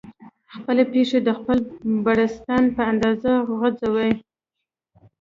خپلې پښې د خپل بړستن په اندازه غځوئ.